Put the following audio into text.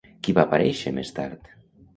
Qui va aparèixer més tard?